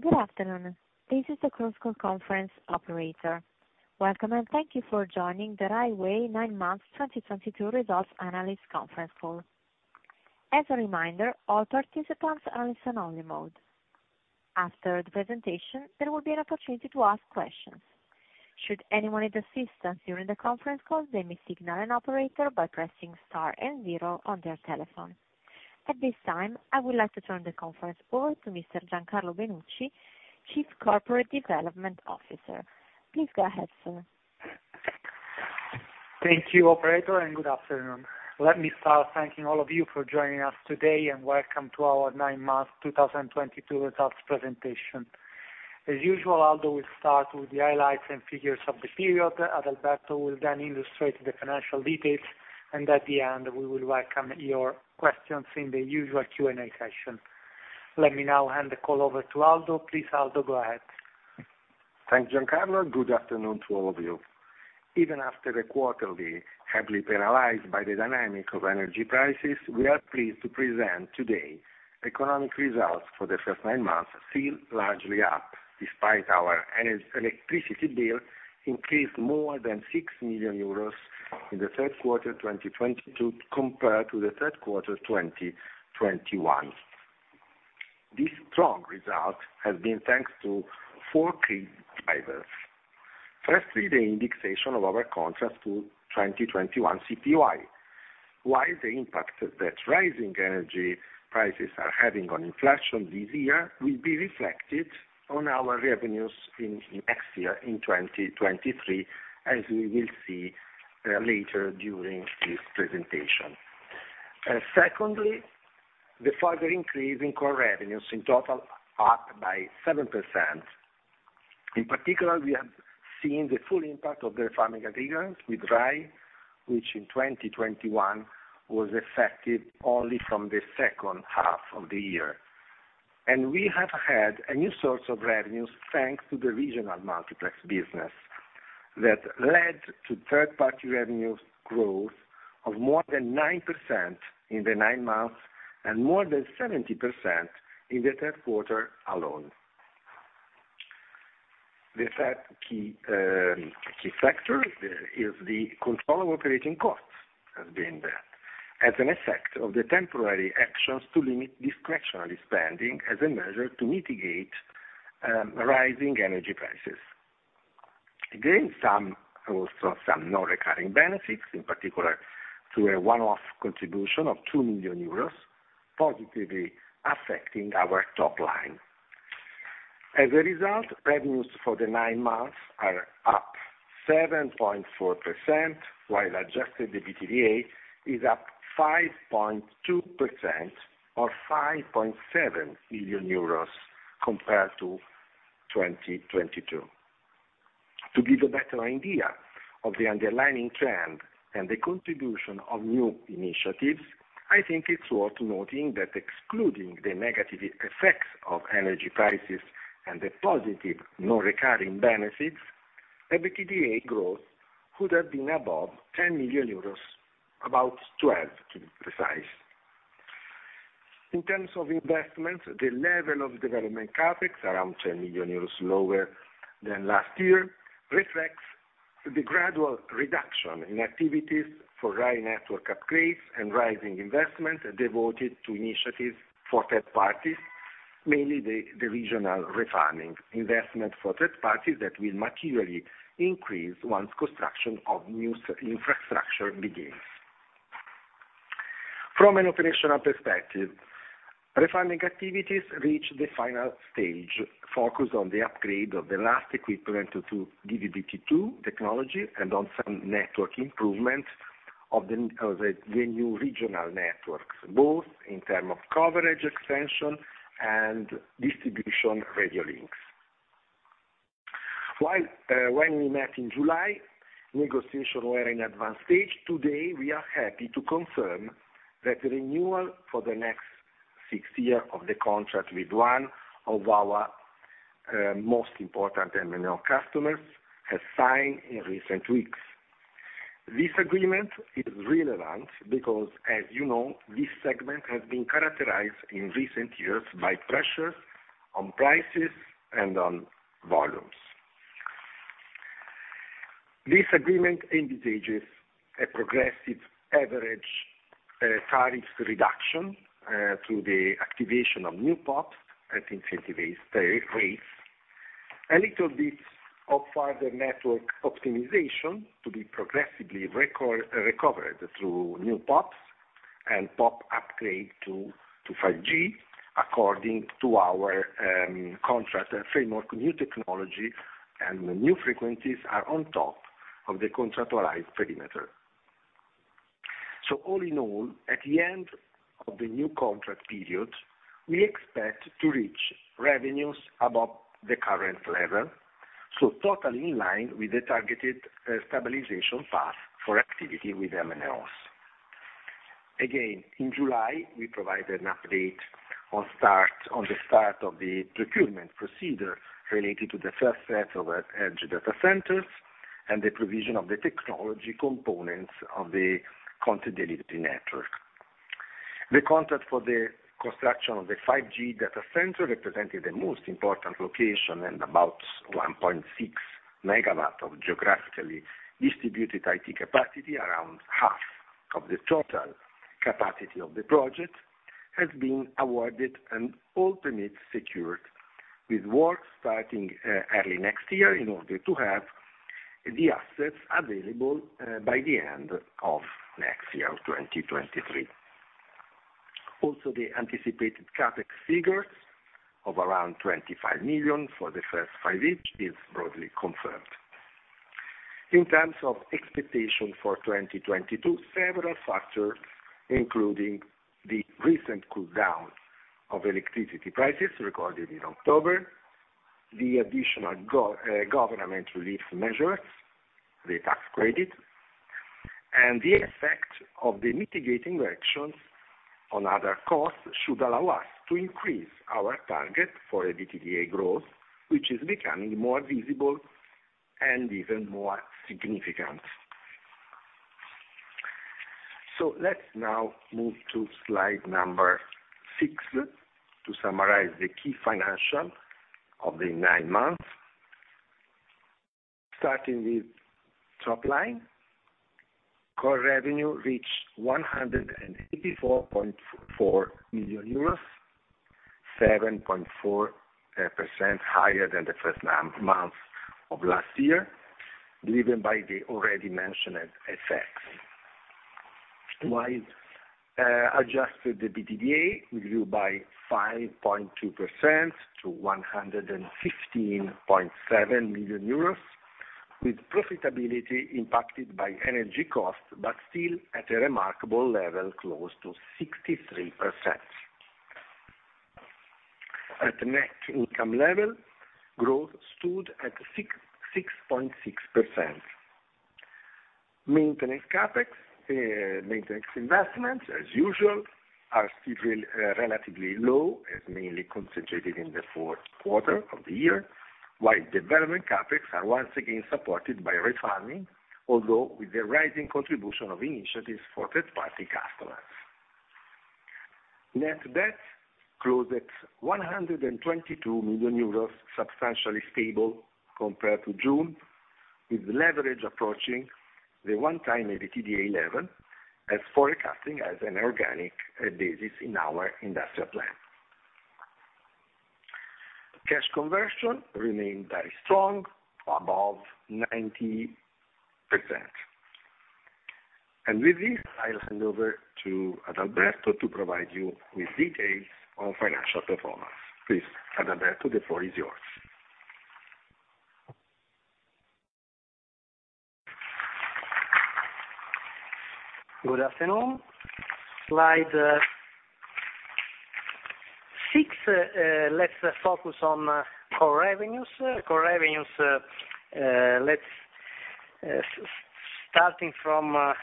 Good afternoon. This is the conference call operator. Welcome, and thank you for joining the Rai Way Nine Months 2022 Results and Earnings Conference Call. As a reminder, all participants are in listen-only mode. After the presentation, there will be an opportunity to ask questions. Should anyone need assistance during the conference call, they may signal an operator by pressing star and zero on their telephone. At this time, I would like to turn the conference over to Mr. Giancarlo Benucci, Chief Corporate Development Officer. Please go ahead, sir. Thank you, operator, and good afternoon. Let me start thanking all of you for joining us today, and welcome to our nine-month 2022 results presentation. As usual, Aldo will start with the highlights and figures of the period. Adalberto will then illustrate the financial details, and at the end we will welcome your questions in the usual Q&A session. Let me now hand the call over to Aldo. Please, Aldo, go ahead. Thanks, Giancarlo. Good afternoon to all of you. Even after the quarter heavily penalized by the dynamics of energy prices, we are pleased to present today's economic results for the first nine months still largely up despite our electricity bill increased more than 6 million euros in the third quarter 2022 compared to the third quarter 2021. This strong result has been thanks to four key drivers. Firstly, the indexation of our contracts to 2021 CPI, while the impact that rising energy prices are having on inflation this year will be reflected on our revenues in next year, in 2023, as we will see later during this presentation. Secondly, the further increase in core revenues in total are up by 7%. In particular, we have seen the full impact of the refarming agreement with Rai, which in 2021 was effective only from the second half of the year. We have had a new source of revenues thanks to the regional multiplex business that led to third-party revenues growth of more than 9% in the nine months and more than 70% in the third quarter alone. The third key factor there is the control of operating costs has been that. As an effect of the temporary actions to limit discretionary spending as a measure to mitigate rising energy prices. Again, some non-recurring benefits, in particular a one-off contribution of 2 million euros, positively affecting our top line. As a result, revenues for the nine months are up 7.4%, while Adjusted EBITDA is up 5.2% or EUR 5.7 million compared to 2022. To give a better idea of the underlying trend and the contribution of new initiatives, I think it's worth noting that excluding the negative effects of energy prices and the positive non-recurring benefits, EBITDA growth could have been above 10 million euros, about 12 to be precise. In terms of investments, the level of development CapEx around 10 million euros lower than last year reflects the gradual reduction in activities for Rai network upgrades and rising investment devoted to initiatives for third parties, mainly the regional refarming investment for third parties that will materially increase once construction of new infrastructure begins. From an operational perspective, refarming activities reach the final stage, focused on the upgrade of the last equipment to DVB-T2 technology and on some network improvements of the new regional networks, both in terms of coverage, expansion and distribution radio links. While, when we met in July, negotiations were in advanced stage. Today, we are happy to confirm that renewal for the next six-year of the contract with one of our most important MNO customers has been signed in recent weeks. This agreement is relevant because, as you know, this segment has been characterized in recent years by pressures on prices and on volumes. This agreement envisages a progressive average tariff reduction through the activation of new PoPs and incentive-based rates. A little bit of further network optimization to be progressively recovered through new PoPs and PoP upgrade to 5G according to our contract framework. New technology and new frequencies are on top of the contractualized perimeter. All in all, at the end of the new contract period, we expect to reach revenues above the current level, so totally in line with the targeted stabilization path for activity with MNOs. Again, in July, we provided an update on the start of the procurement procedure related to the first set of edge data centers. The provision of the technology components of the continuity network.1 The contract for the construction of the 5G data center represented the most important location and about 1.6 MW of geographically distributed IT capacity, around half of the total capacity of the project, has been awarded and ultimately secured, with work starting early next year in order to have the assets available by the end of next year, 2023. Also, the anticipated CapEx figures of around 25 million for the first five each is broadly confirmed. In terms of expectation for 2022, several factors, including the recent cool down of electricity prices recorded in October, the additional government relief measures, the tax credit, and the effect of the mitigating actions on other costs, should allow us to increase our target for EBITDA growth, which is becoming more visible and even more significant. Let's now move to slide number six to summarize the key financials of the nine months. Starting with top line. Core revenue reached 184.4 million euros, 7.4% higher than the first nine months of last year, driven by the already mentioned effects. While Adjusted EBITDA grew by 5.2% to 115.7 million euros, with profitability impacted by energy costs, but still at a remarkable level close to 63%. At net income level, growth stood at 6.6%. Maintenance CapEx, maintenance investments as usual are still relatively low as mainly concentrated in the fourth quarter of the year, while development CapEx are once again supported by refarming, although with the rising contribution of initiatives for third party customers. Net debt closed at 122 million euros, substantially stable compared to June, with leverage approaching the 1x EBITDA level as forecasted on an organic basis in our industrial plan. Cash conversion remained very strong, above 90%. With this, I'll hand over to Adalberto to provide you with details on financial performance. Please, Adalberto, the floor is yours. Good afternoon. Slide six, let's focus on core revenues. Core revenues, let's start from, I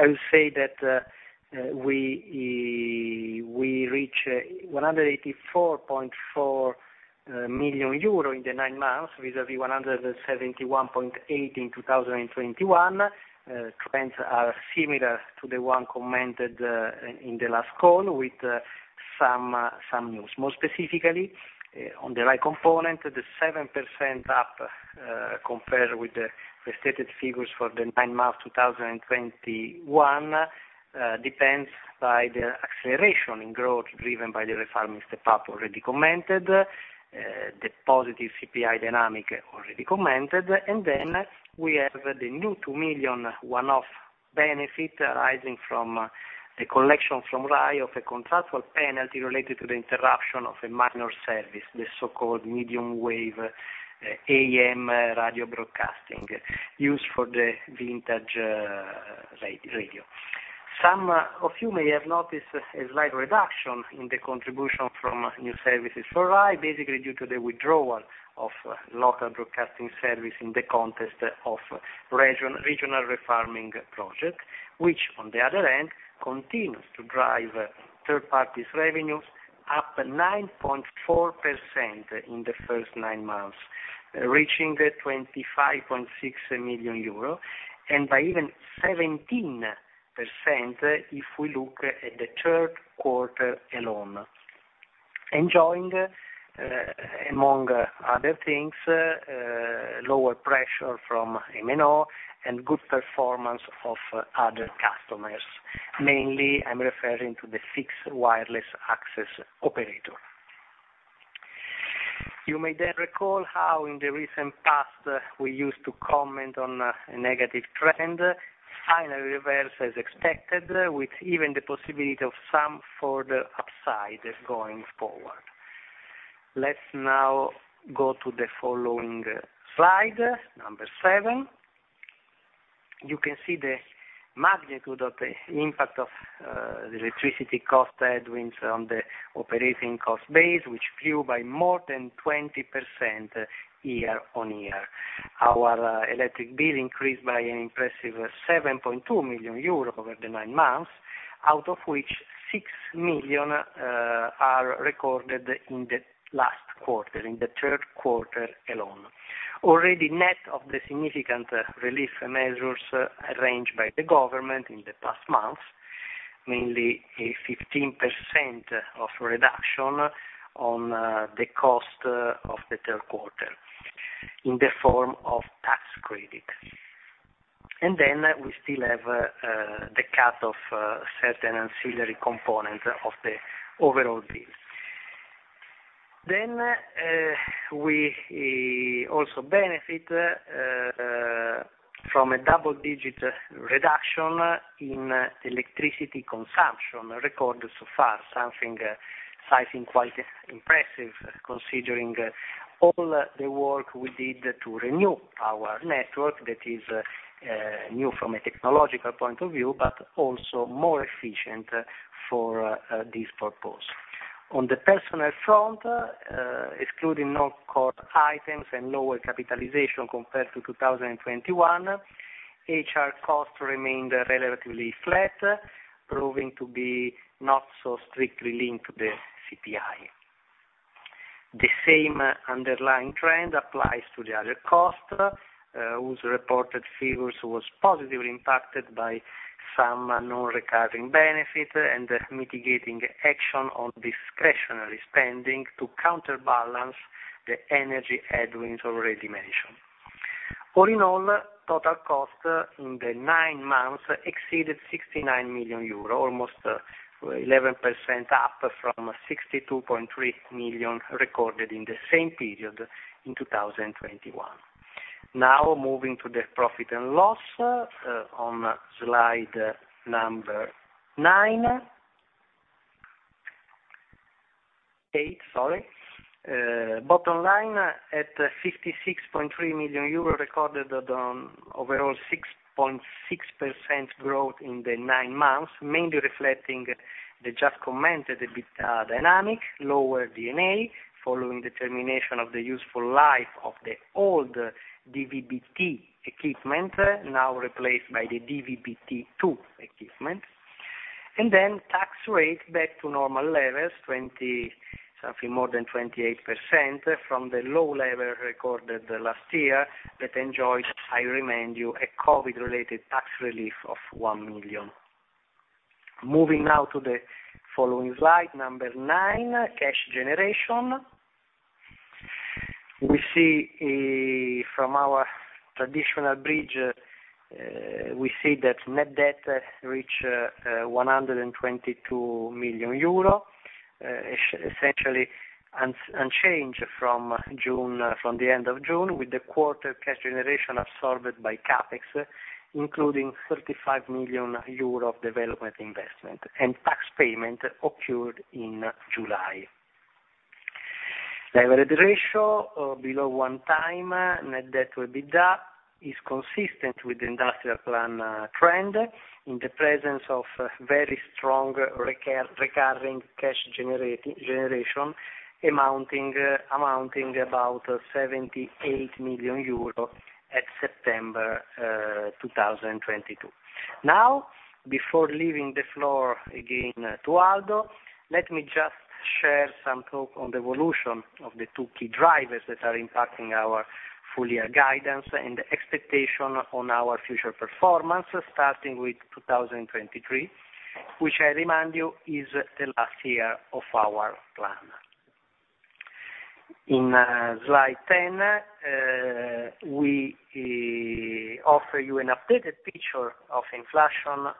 would say that we reach 184.4 million euro in the nine months vis-a-vis 171.8 million in 2021. Trends are similar to the one commented in the last call with some news. More specifically, on the right component, the 7% up compared with the restated figures for the nine months 2021 depends by the acceleration in growth driven by the refarming step up already commented, the positive CPI dynamic already commented. We have the new 2 million one-off benefit arising from a collection from RAI of a contractual penalty related to the interruption of a minor service, the so-called medium wave AM radio broadcasting used for the vintage radio. Some of you may have noticed a slight reduction in the contribution from new services for RAI, basically due to the withdrawal of local broadcasting service in the context of regional refarming project, which on the other hand, continues to drive third parties revenues up 9.4% in the first nine months, reaching 25.6 million euro and by even 17% if we look at the third quarter alone. Enjoying, among other things, lower pressure from MNO and good performance of other customers. Mainly, I'm referring to the fixed wireless access operator. You may then recall how in the recent past we used to comment on a negative trend. Finally, reverse as expected, with even the possibility of some further upside going forward. Let's now go to the following slide, number seven. You can see the magnitude of the impact of the electricity cost headwinds on the operating cost base, which grew by more than 20% year-on-year. Our electric bill increased by an impressive 7.2 million euro over the nine months, out of which 6 million are recorded in the last quarter, in the third quarter alone. Already net of the significant relief measures arranged by the government in the past months, mainly a 15% reduction on the cost of the third quarter in the form of tax credit. We still have the cut of certain ancillary component of the overall bill. We also benefit from a double digit reduction in electricity consumption recorded so far, something I think quite impressive considering all the work we did to renew our network that is new from a technological point of view, but also more efficient for this purpose. On the personnel front, excluding non-core items and lower capitalization compared to 2021, HR costs remained relatively flat, proving to be not so strictly linked to the CPI. The same underlying trend applies to the other costs, whose reported figures was positively impacted by some non-recurring benefit and the mitigating action on discretionary spending to counterbalance the energy headwinds already mentioned. All in all, total cost in the nine months exceeded 69 million euro, almost 11% up from 62.3 million recorded in the same period in 2021. Now moving to the profit and loss, on slide number eight, sorry. Bottom line at 56.3 million euro recorded on overall 6.6% growth in the nine months, mainly reflecting the just commented EBITDA dynamic, lower D&A following the termination of the useful life of the old DVB-T equipment, now replaced by the DVB-T2 equipment, and then tax rate back to normal levels, twenty-something more than 28% from the low level recorded last year that enjoys, I remind you, a COVID-related tax relief of 1 million. Moving now to the following slide, number nine, cash generation. We see from our traditional bridge that net debt reaches 122 million euro, essentially unchanged from the end of June, with the quarter cash generation absorbed by CapEx, including 35 million euro of development investment and tax payment occurred in July. The average ratio below one time, net debt to EBITDA, is consistent with the industrial plan trend in the presence of very strong recurring cash generation amounting about 78 million euro at September 2022. Now, before leaving the floor again to Aldo, let me just share some talk on the evolution of the two key drivers that are impacting our full year guidance and the expectation on our future performance, starting with 2023, which I remind you is the last year of our plan. In slide ten, we offer you an updated picture of inflation,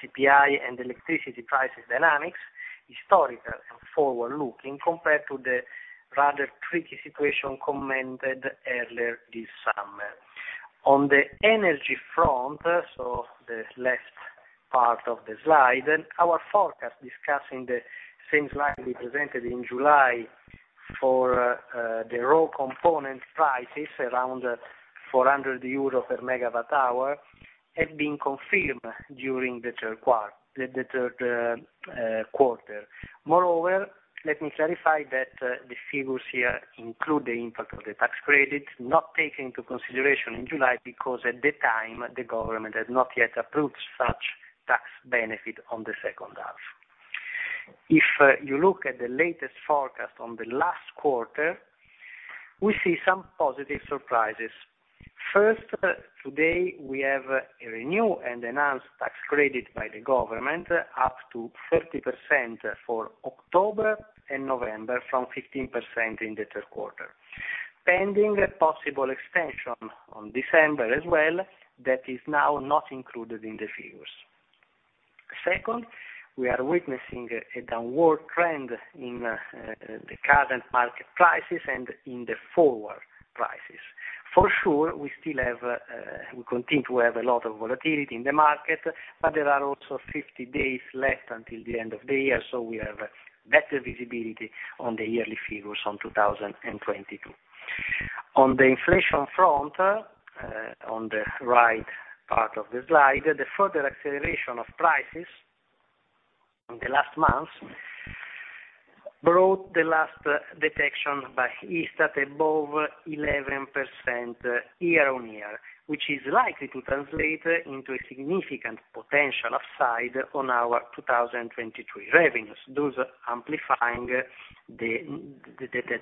CPI, and electricity prices dynamics, historical and forward-looking, compared to the rather tricky situation commented earlier this summer. On the energy front, so the left part of the slide, our forecast discussing the same slide we presented in July for the raw component prices, around 400 euro per megawatt hour, have been confirmed during the third quarter. Moreover, let me clarify that the figures here include the impact of the tax credit not taken into consideration in July because at the time, the government had not yet approved such tax benefit on the second half. If you look at the latest forecast on the last quarter, we see some positive surprises. First, today, we have a renewed and enhanced tax credit by the government up to 30% for October and November from 15% in the third quarter, pending a possible extension on December as well that is now not included in the figures. Second, we are witnessing a downward trend in the current market prices and in the forward prices. For sure, we still have, we continue to have a lot of volatility in the market, but there are also 50 days left until the end of the year, so we have better visibility on the yearly figures on 2022. On the inflation front, on the right part of the slide, the further acceleration of prices in the last months brought the last detection by Istat above 11% year-over-year, which is likely to translate into a significant potential upside on our 2023 revenues, thus amplifying the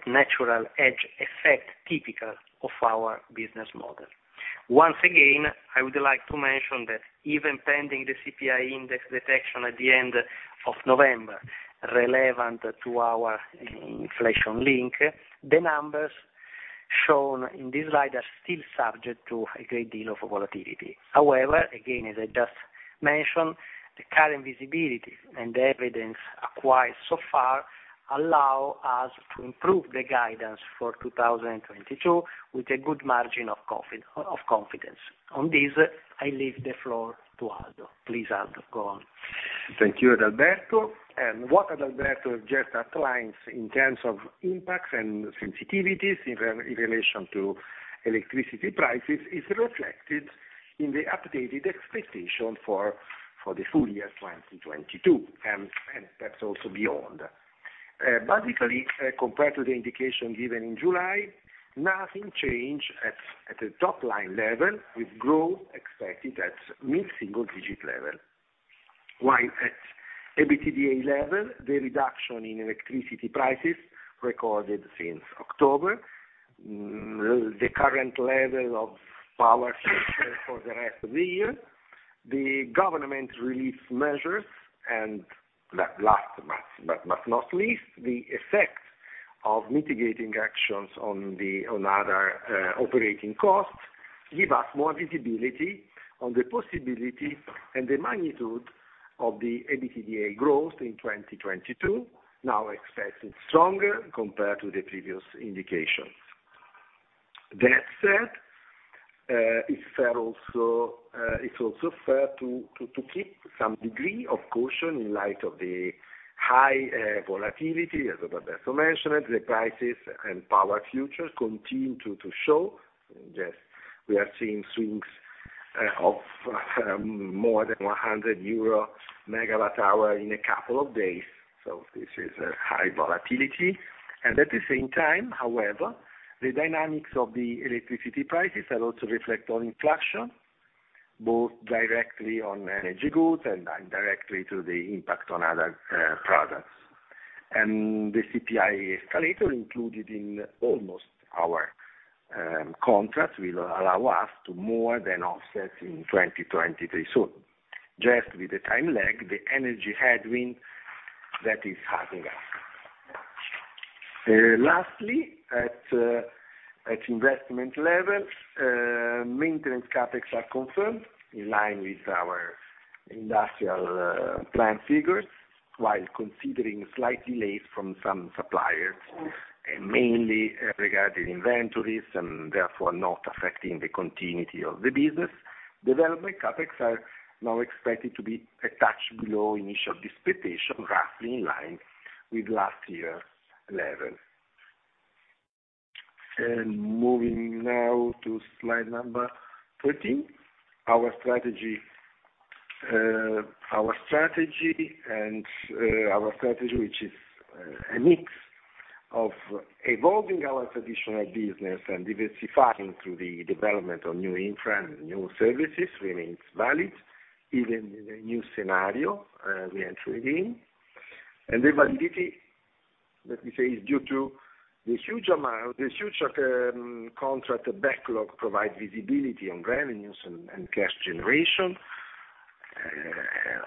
natural edge effect typical of our business model. Once again, I would like to mention that even pending the CPI index detection at the end of November relevant to our inflation link, the numbers shown in this slide are still subject to a great deal of volatility. However, again, as I just mentioned, the current visibility and the evidence acquired so far allow us to improve the guidance for 2022 with a good margin of confidence. On this, I leave the floor to Aldo. Please, Aldo, go on. Thank you, Alberto. What Adalberto just outlined in terms of impacts and sensitivities in relation to electricity prices is reflected in the updated expectation for the full year 2022, and that's also beyond. Basically, compared to the indication given in July, nothing changed at the top line level with growth expected at mid-single-digit level. While at EBITDA level, the reduction in electricity prices recorded since October, the current level of power for the rest of the year, the government relief measures and last but not least, the effect of mitigating actions on the other operating costs give us more visibility on the possibility and the magnitude of the EBITDA growth in 2022, now expected stronger compared to the previous indications. That said, it's also fair to keep some degree of caution in light of the high volatility, as Adalberto mentioned. The prices and power futures continue to show just we are seeing swings of more than 100 euro/MWh in a couple of days. This is a high volatility. At the same time, however, the dynamics of the electricity prices are also reflected in inflation, both directly on energy goods and indirectly through the impact on other products. The CPI escalator included in almost all our contracts will allow us to more than offset in 2023. Just with the time lag, the energy headwind that is hitting us. Lastly, at investment level, maintenance CapEx are confirmed in line with our industrial plan figures, while considering slight delays from some suppliers, mainly regarding inventories and therefore not affecting the continuity of the business. Development CapEx are now expected to be a touch below initial expectation, roughly in line with last year level. Moving now to slide number 13. Our strategy, which is a mix of evolving our traditional business and diversifying through the development of new infra and new services remains valid, even in the new scenario we entering in. The validity, let me say, is due to the huge contract backlog provides visibility on revenues and cash generation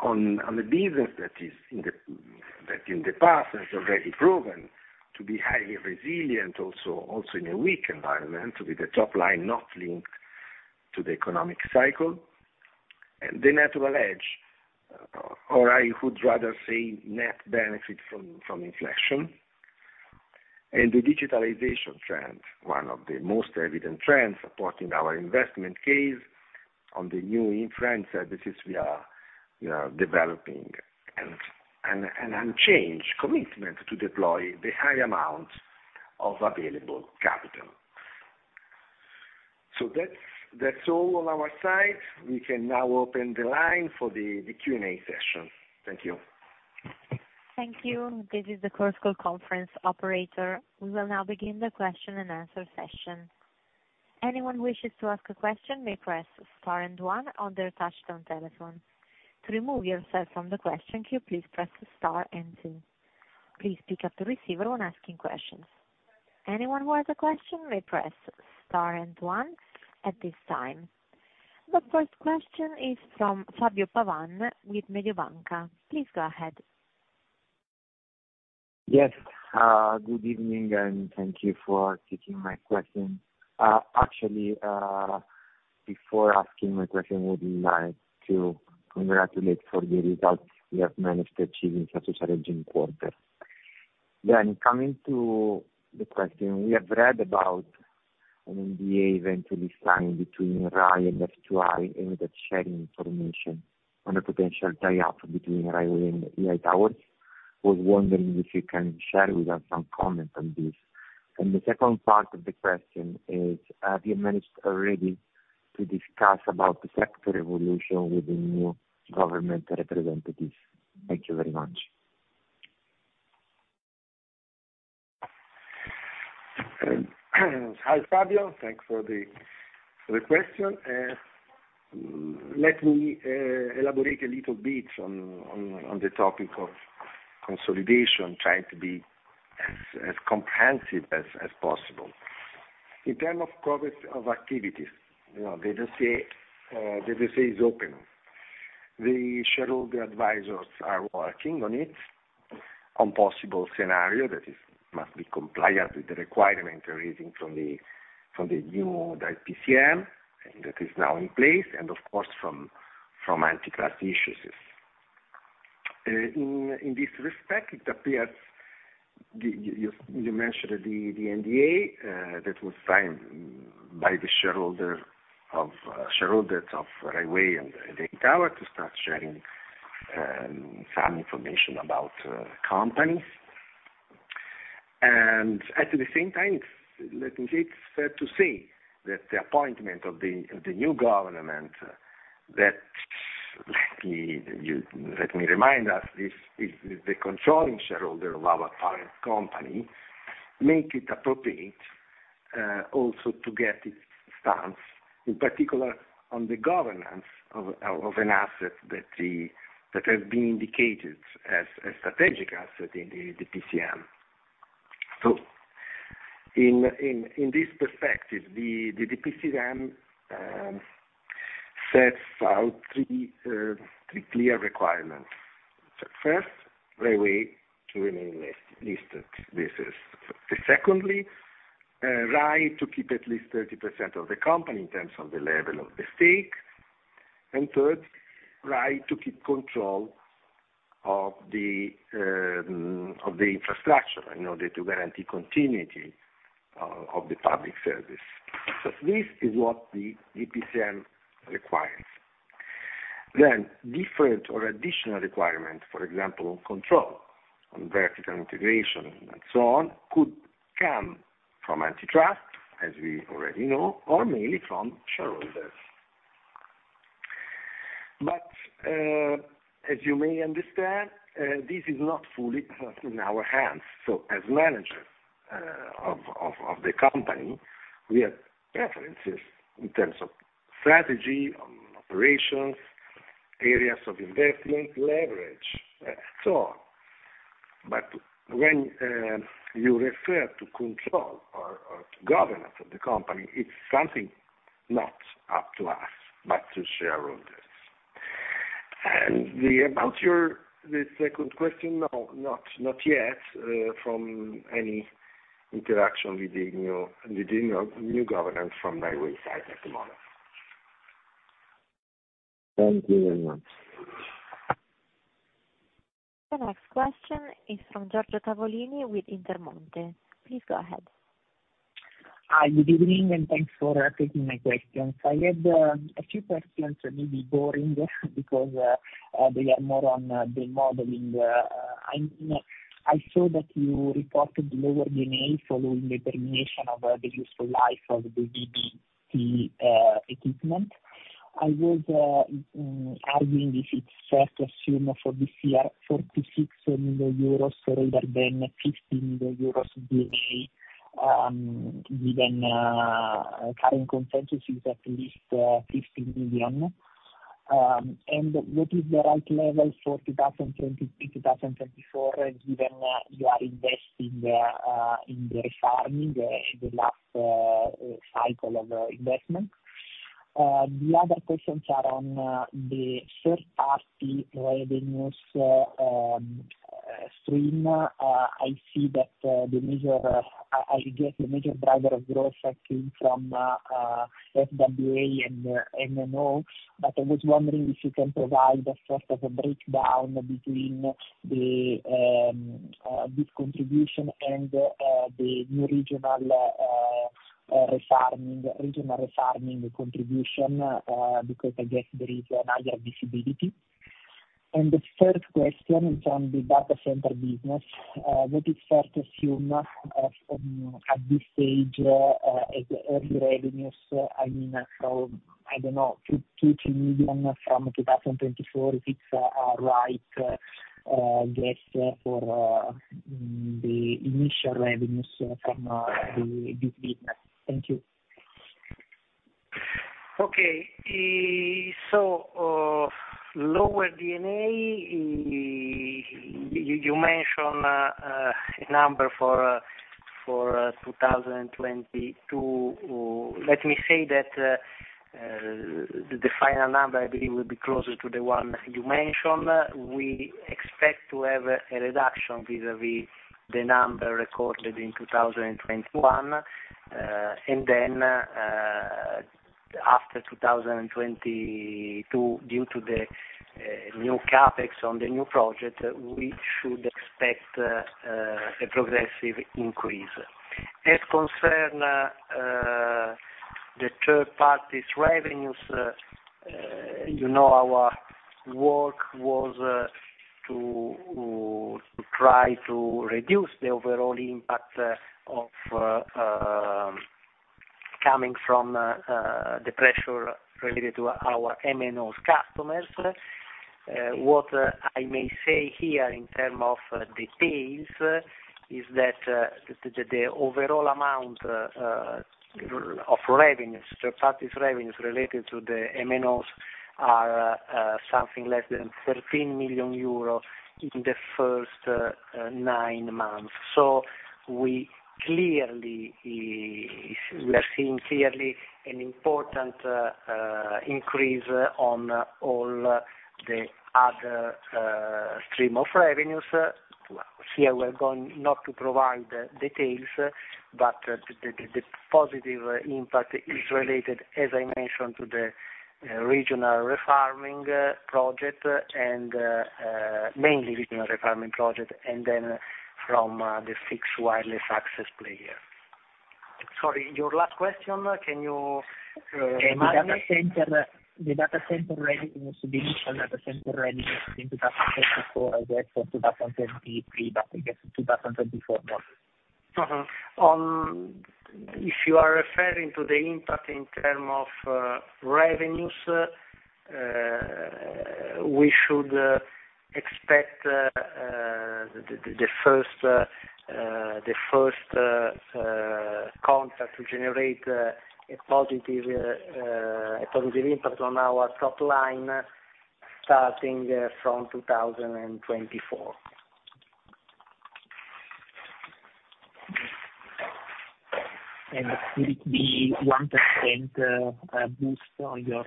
on the business that in the past has already proven to be highly resilient also in a weak environment, with the top line not linked to the economic cycle. The natural edge, or I would rather say net benefit from inflation. The digitalization trend, one of the most evident trends supporting our investment case on the new infra and services we are developing. Unchanged commitment to deploy the high amount of available capital. That's all on our side. We can now open the line for the Q&A session. Thank you. Thank you. This is the conference call operator. We will now begin the question and answer session. If anyone wishes to ask a question may press star and one on their touchtone telephone. To remove yourself from the question queue, please press star and two. Please pick up the receiver when asking questions. Anyone who has a question may press star and one at this time. The first question is from Fabio Pavan with Mediobanca. Please go ahead. Yes, good evening and thank you for taking my question. Actually, before asking my question, I would like to congratulate for the results you have managed to achieve in such a challenging quarter. Coming to the question, we have read about an NDA eventually signed between Rai and F2i aimed at sharing information on a potential tie-up between Rai Way and EI Towers. Was wondering if you can share with us some comment on this? The second part of the question is, have you managed already to discuss about the sector evolution with the new government representatives? Thank you very much. Hi, Fabio. Thanks for the question. Let me elaborate a little bit on the topic of consolidation, trying to be as comprehensive as possible. In terms of progress of activities, you know, they just say it's open. The shareholder advisors are working on possible scenarios that must be compliant with the requirements arising from the new DPCM that is now in place, and of course from antitrust issues. In this respect, it appears you mentioned the NDA that was signed by the shareholder of Rai Way and EI Towers to start sharing some information about the company. At the same time, let me take the floor to say that the appointment of the new government that, let me remind you, is the controlling shareholder of our parent company, makes it appropriate also to get its stance, in particular on the governance of an asset that has been indicated as a strategic asset in the DPCM. In this perspective, the DPCM sets out three clear requirements. First, Rai Way to remain listed. Secondly, Rai to keep at least 30% of the company in terms of the level of the stake. And third, Rai to keep control of the infrastructure in order to guarantee continuity of the public service. This is what the DPCM requires. Different or additional requirements, for example control on vertical integration and so on, could come from antitrust, as we already know, or mainly from shareholders. As you may understand, this is not fully in our hands. As managers of the company, we have preferences in terms of strategy, operations, areas of investment, leverage, so on. When you refer to control or to governance of the company, it's something not up to us, but to shareholders. About your second question, no, not yet, from any interaction with the new governance from Rai Way side at the moment. Thank you very much. The next question is from Giorgio Tavolini with Intermonte. Please go ahead. Hi, good evening, and thanks for taking my questions. I had a few questions that may be boring because they are more on the modeling. I saw that you reported lower D&A following the termination of the useful life of the DVB-T equipment. I was wondering if it's fair to assume for this year 46 million euros rather than 50 million euros D&A, given current consensus is at least 50 million. What is the right level for 2023, 2024, given that you are investing in the refarming in the last cycle of investment. The other questions are on the third-party revenues stream. I see that the major driver of growth came from FWA and MNO. But I was wondering if you can provide a sort of a breakdown between the old contribution and the new regional refarming contribution, because I guess there is a higher visibility. The third question is on the data center business. What is fair to assume at this stage as early revenues, I mean, from, I don't know, 2 million from 2024, if it's a right guess for the initial revenues from the business. Thank you. Lower D&A, you mention a number for 2022. Let me say that the final number I believe will be closer to the one you mentioned. We expect to have a reduction vis-a-vis the number recorded in 2021. After 2022, due to the new CapEx on the new project, we should expect a progressive increase. As concerns the third-party revenues, you know our-... work was to try to reduce the overall impact of coming from the pressure related to our MNO customers. What I may say here in terms of details is that the overall amount of revenues, third party revenues related to the MNOs are something less than 13 million euros in the first nine months. We are seeing clearly an important increase on all the other stream of revenues. Here we're going not to provide details, but the positive impact is related, as I mentioned, mainly to the regional refarming project, and then from the fixed wireless access player. Sorry, your last question, can you remind me? The data center. The data center revenue should be initial data center revenue in 2024 as opposed to 2023, but I guess in 2024. If you are referring to the impact in terms of revenues, we should expect the first contract to generate a positive impact on our top line starting from 2024. Could it be 1% boost on your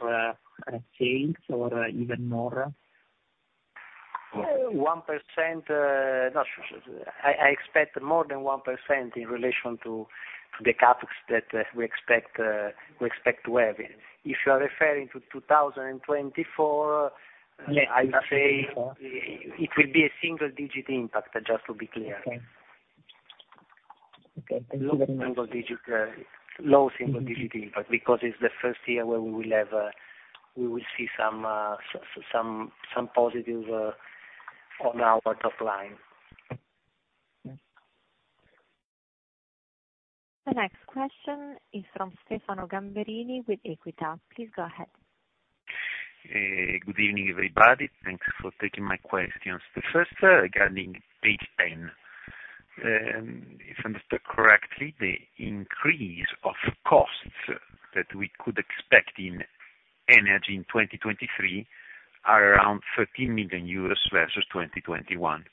sales or even more? 1%, no. I expect more than 1% in relation to the CapEx that we expect to have. If you are referring to 2024, I say it will be a single-digit impact, just to be clear. Okay. Single-digit, low single-digit impact, because it's the first year where we will see some positive on our top line. The next question is from Stefano Gamberini with Equita. Please go ahead. Good evening, everybody. Thanks for taking my questions. The first regarding page 10. If I understood correctly, the increase of costs that we could expect in energy in 2023 are around 13 million euros versus 2021,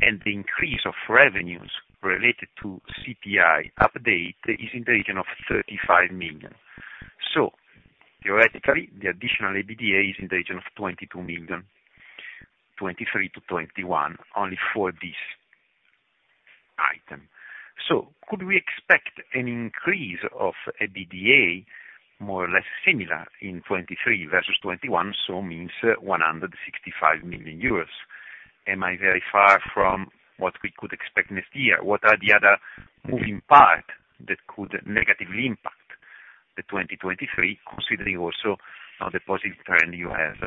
and the increase of revenues related to CPI update is in the region of 35 million. Theoretically, the additional EBITDA is in the region of 22 million, 2023 to 2021, only for this item. Could we expect an increase of EBITDA more or less similar in 2023 versus 2021, so means 165 million euros. Am I very far from what we could expect next year? What are the other moving parts that could negatively impact the 2023, considering also the positive trend you have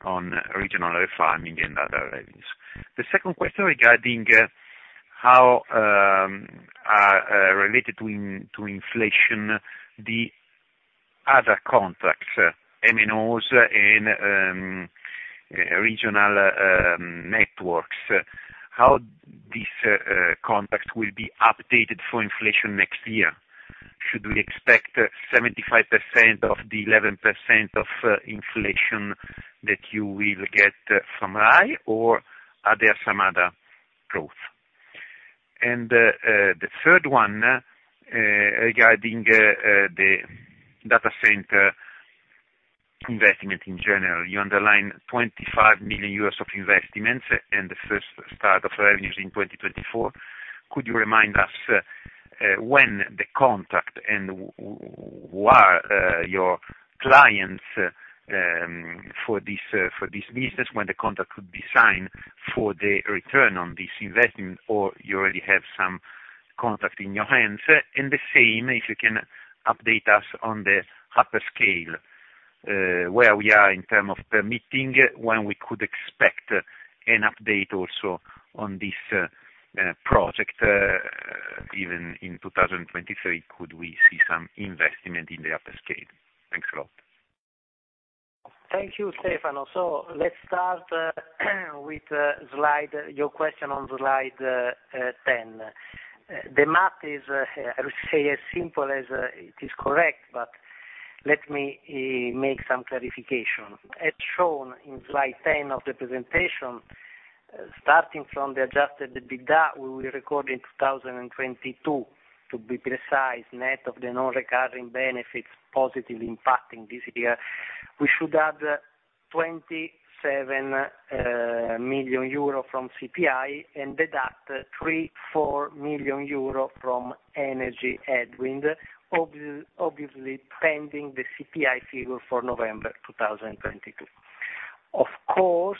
on regional refarming and other revenues? The second question regarding how related to inflation, the other contracts, MNOs and regional networks, how these contracts will be updated for inflation next year? Should we expect 75% of the 11% of inflation that you will get from Rai or are there some other growth? The third one regarding the data center investment in general, you underline 25 million euros of investments and the first start of revenues in 2024. Could you remind us when the contract and who are your clients for this business, when the contract could be signed for the return on this investment, or you already have some contract in your hands? The same, if you can update us on the hyperscale, where we are in terms of permitting, when we could expect an update also on this project, even in 2023, could we see some investment in the hyperscale? Thanks a lot. Thank you, Stefano. Let's start with your question on slide 10. The math is, I would say, as simple as it is correct, but let me make some clarification. As shown in slide 10 of the presentation, starting from the Adjusted EBITDA, we will record in 2022, to be precise, net of the non-recurring benefits positively impacting this year, we should add 27 million euro from CPI and deduct 3 million-4 million euro from energy headwind, obviously pending the CPI figure for November 2022. Of course,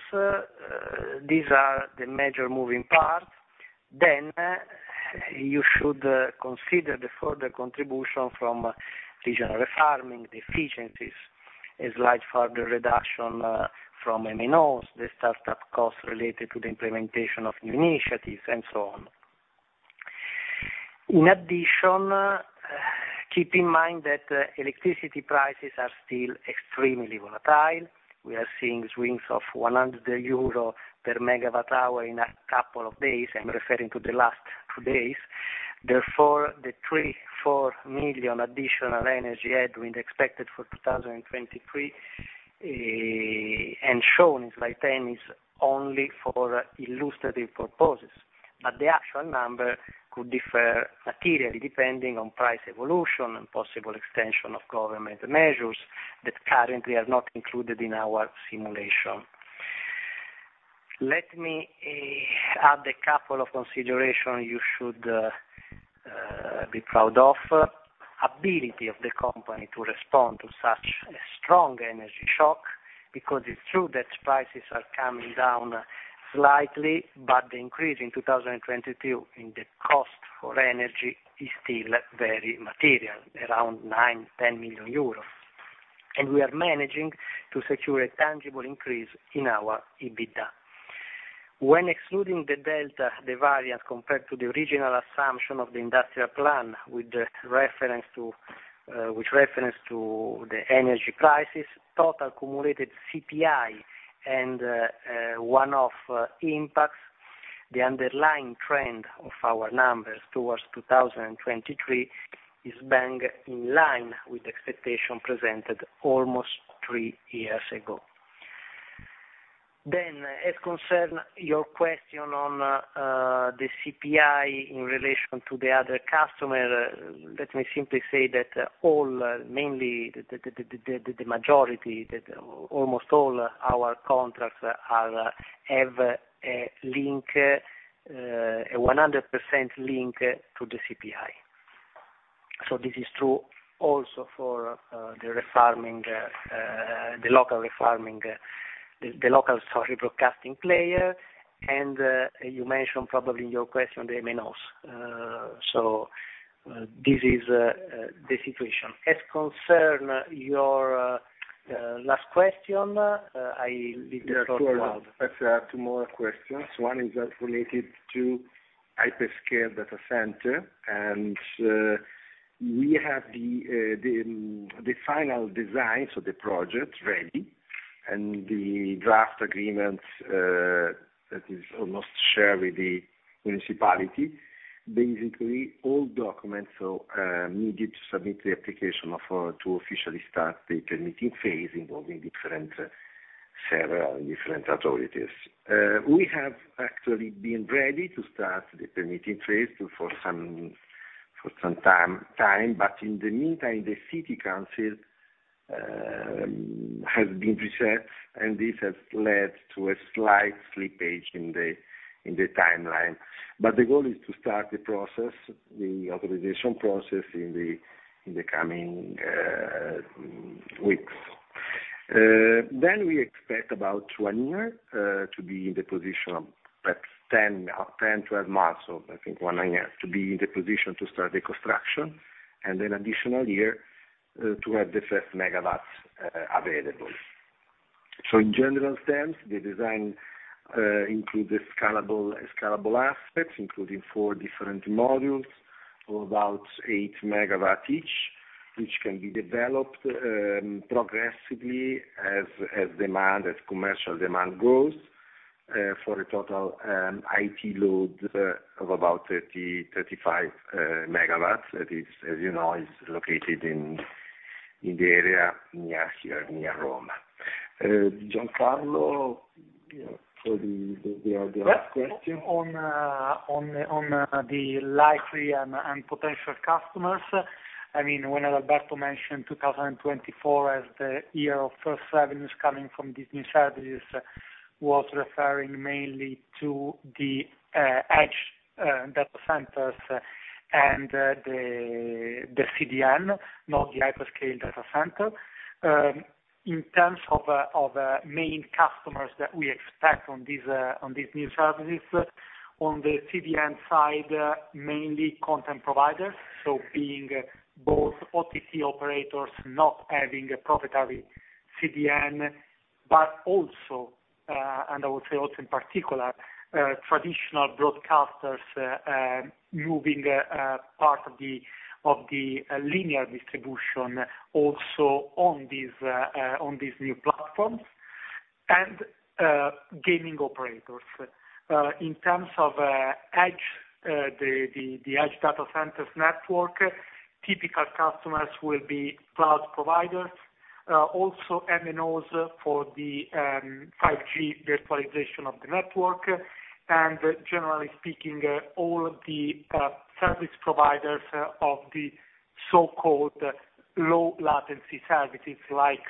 these are the major moving parts. You should consider the further contribution from regional refarming, the efficiencies, a slight further reduction from MNOs, the startup costs related to the implementation of new initiatives, and so on. In addition, keep in mind that electricity prices are still extremely volatile. We are seeing swings of 100 euro per megawatt hour in a couple of days. I'm referring to the last two days. Therefore, the 3 million-4 million additional energy headwind expected for 2023 and shown in slide 10 is only for illustrative purposes, but the actual number could differ materially depending on price evolution and possible extension of government measures that currently are not included in our simulation. Let me add a couple of considerations you should be proud of. Ability of the company to respond to such a strong energy shock, because it's true that prices are coming down slightly, but the increase in 2022 in the cost for energy is still very material, around 9 million-10 million euros. We are managing to secure a tangible increase in our EBITDA. When excluding the delta, the variance compared to the original assumption of the industrial plan, with reference to the energy crisis, total cumulated CPI and a one-off impacts, the underlying trend of our numbers towards 2023 is bang in line with expectation presented almost three years ago. As concerns your question on the CPI in relation to the other customer, let me simply say that mainly the majority, almost all our contracts have a 100% link to the CPI. This is true also for the local refarming, broadcasting player. You mentioned probably in your question, the MNOs. This is the situation. As concerns your last question, I leave the floor to Aldo. Sure. Let's add two more questions. One is related to hyperscale data center. We have the final design, so the project ready, and the draft agreement that is almost shared with the municipality. Basically, all documents are needed to submit the application to officially start the permitting phase involving several different authorities. We have actually been ready to start the permitting phase for some time, but in the meantime, the city council has been reset, and this has led to a slight slippage in the timeline. The goal is to start the process, the authorization process in the coming weeks. We expect about one year to be in the position of perhaps 10-12 months. I think one year to be in the position to start the construction, and then additional year to have the first megawatts available. In general terms, the design include the scalable aspects, including four different modules of about 8 MW each, which can be developed progressively as commercial demand grows for a total IT load of about 30 MW-35 MW. That is, as you know, located in the area near Rome. Giancarlo, for the last question. On the likely and potential customers. I mean, when Alberto mentioned 2024 as the year of first revenues coming from these new services, was referring mainly to the edge data centers and the CDN, not the hyperscale data center. In terms of main customers that we expect on these new services, on the CDN side, mainly content providers, so being both OTT operators not having a proprietary CDN, but also, and I would say also in particular, traditional broadcasters moving a part of the linear distribution also on these new platforms, and gaming operators. In terms of edge, the edge data centers network, typical customers will be cloud providers, also MNOs for the 5G virtualization of the network, and generally speaking, all the service providers of the so-called low latency services like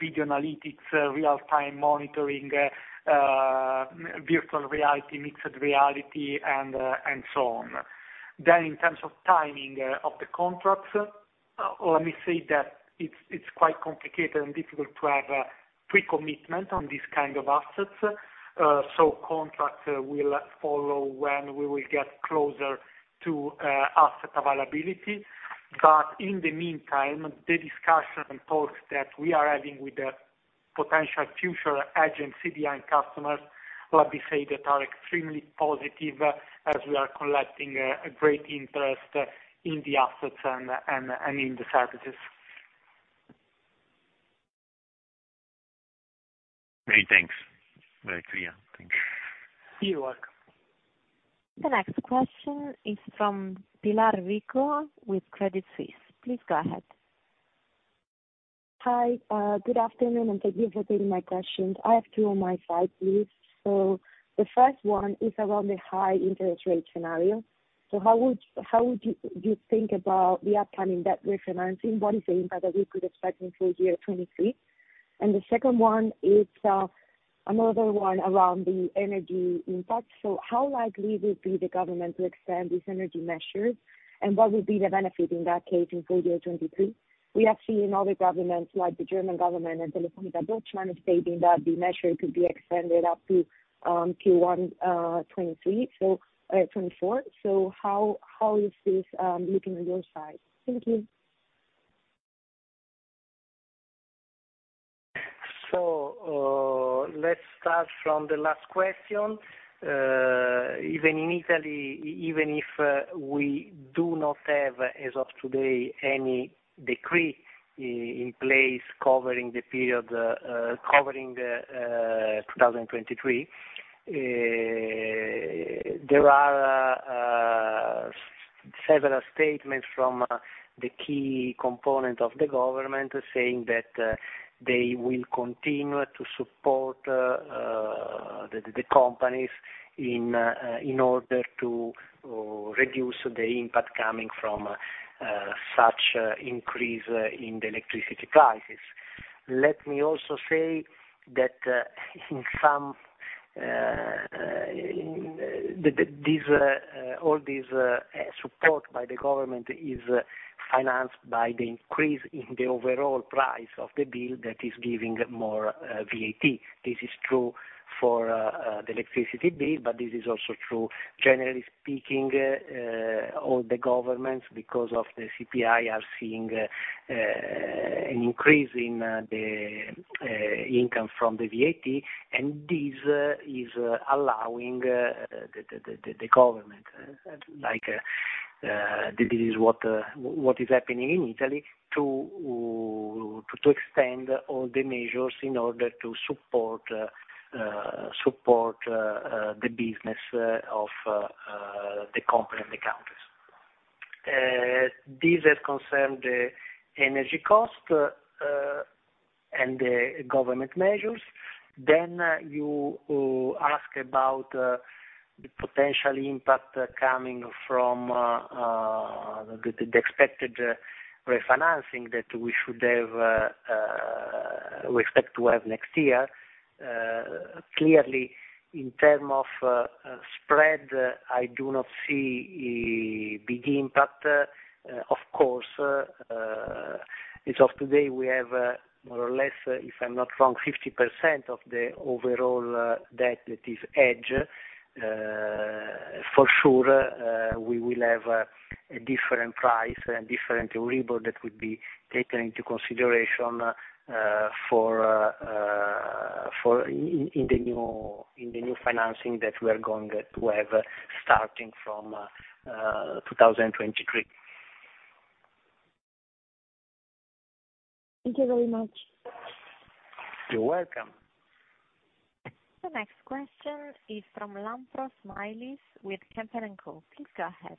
video analytics, real-time monitoring, virtual reality, mixed reality and so on. In terms of timing of the contracts, let me say that it's quite complicated and difficult to have a pre-commitment on these kind of assets. Contracts will follow when we will get closer to asset availability. In the meantime, the discussion and talks that we are having with the potential future edge and CDN customers, let me say they are extremely positive as we are collecting a great interest in the assets and in the services. Great, thanks. Very clear. Thanks. You're welcome. The next question is from Pilar Rico with Credit Suisse. Please go ahead. Hi, good afternoon, and thank you for taking my questions. I have two on my side, please. The first one is around the high interest rate scenario. How would you think about the upcoming debt refinancing? What is the impact that we could expect in full year 2023? The second one is another one around the energy impact. How likely would be the government to extend these energy measures? What would be the benefit in that case in full year 2023? We have seen other governments, like the German government and Telefónica Deutschland, stating that the measure could be extended up to Q1 2024. How is this looking on your side? Thank you. Let's start from the last question. Even in Italy, even if we do not have, as of today, any decree in place covering the period 2023, there are several statements from the key component of the government saying that they will continue to support the companies in order to reduce the impact coming from such increase in the electricity prices. Let me also say that in some of these all these support by the government is financed by the increase in the overall price of the bill that is giving more VAT. This is true for the electricity bill, but this is also true generally speaking all the governments because of the CPI are seeing an increase in the income from the VAT, and this is allowing the government like this is what is happening in Italy to extend all the measures in order to support the business of the company and the countries. This has concerned the energy cost and the government measures. You ask about the potential impact coming from the expected refinancing that we expect to have next year. Clearly in terms of spread, I do not see a big impact. Of course, as of today, we have more or less, if I'm not wrong, 50% of the overall debt that is hedged. For sure, we will have a different price and different that would be taken into consideration for in the new financing that we are going to have starting from 2023. Thank you very much. You're welcome. The next question is from Lampros Smailis with Kepler Cheuvreux. Please go ahead.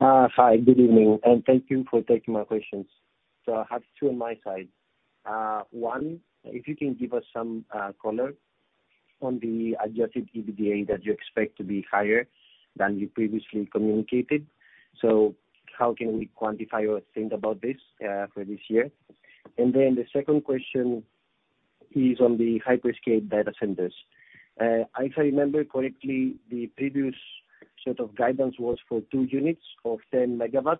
Hi, good evening, and thank you for taking my questions. I have two on my side. One, if you can give us some color on the Adjusted EBITDA that you expect to be higher than you previously communicated. How can we quantify or think about this for this year? The second question is on the hyperscale data centers. If I remember correctly, the previous set of guidance was for two units of 10 MW,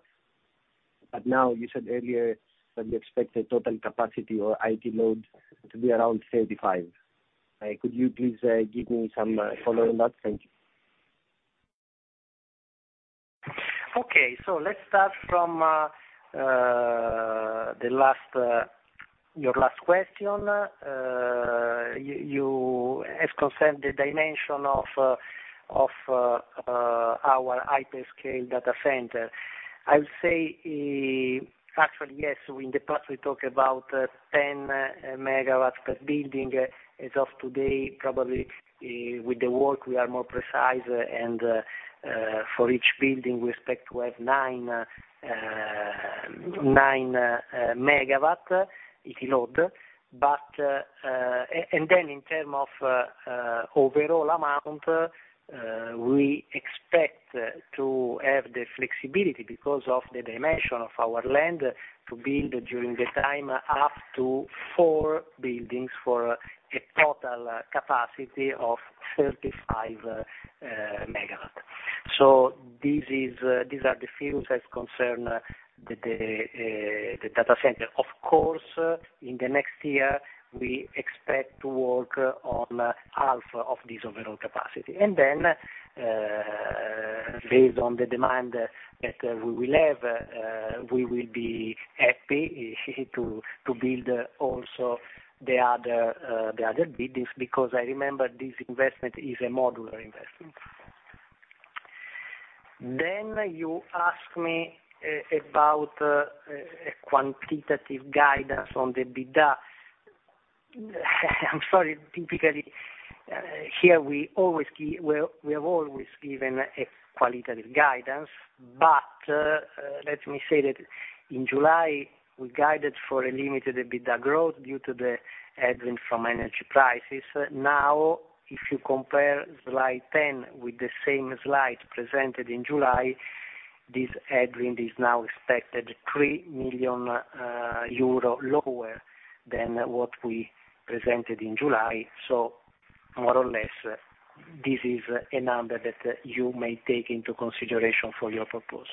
but now you said earlier that you expect the total capacity or IT load to be around 35. Could you please give me some color on that? Thank you. Okay. Let's start from the last, your last question. As concerns the dimension of our hyperscale data center. I would say, actually, yes. In the past we talked about 10 MW per building. As of today, probably, with the work we are more precise and for each building we expect to have 9 MW IT load. And then in terms of overall amount, we expect to have the flexibility because of the dimension of our land to build during the time up to four buildings for a total capacity of 35 MW. This is, these are the fields as concerns the data center. Of course, in the next year we expect to work on half of this overall capacity. Based on the demand that we will have, we will be happy to build also the other business, because I remember this investment is a modular investment. You ask me about a quantitative guidance on the EBITDA. I'm sorry. Typically, here we have always given a qualitative guidance. Let me say that in July, we guided for a limited EBITDA growth due to the headroom from energy prices. Now, if you compare slide 10 with the same slide presented in July, this headroom is now expected 3 million euro lower than what we presented in July. More or less, this is a number that you may take into consideration for your purpose.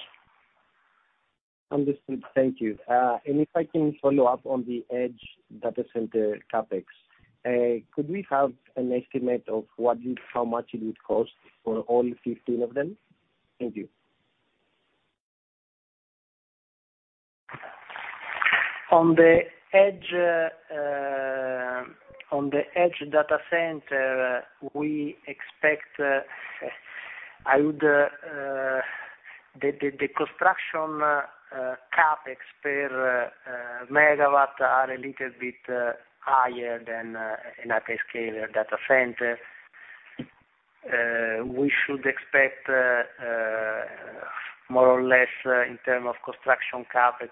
Understood. Thank you. If I can follow up on the edge data center CapEx, could we have an estimate of how much it would cost for all 15 of them? Thank you. On the edge data center, the construction CapEx per megawatt are a little bit higher than a hyperscale data center. We should expect more or less in terms of construction CapEx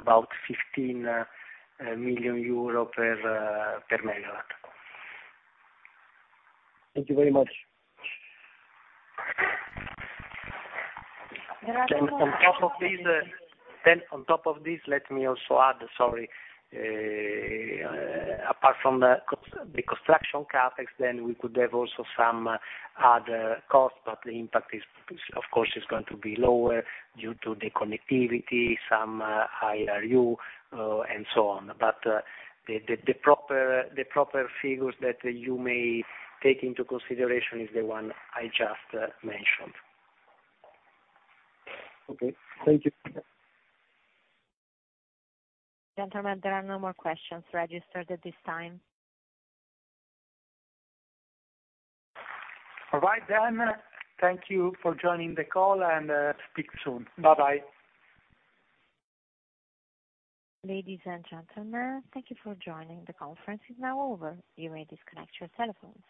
about 15 million euro per megawatt. Thank you very much. On top of this, let me also add, sorry. Apart from the construction CapEx, we could have also some other costs, but the impact of course is going to be lower due to the connectivity, some IRU, and so on. The proper figures that you may take into consideration is the one I just mentioned. Okay. Thank you. Gentlemen, there are no more questions registered at this time. All right. Thank you for joining the call and, speak soon. Bye-bye. Ladies and gentlemen, thank you for joining. The conference is now over. You may disconnect your telephones.